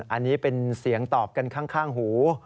อันนี้เป็นเสียงตอบกันข้างหู